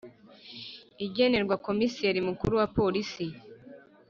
ikagenerwa Komiseri Mukuru wa Polisi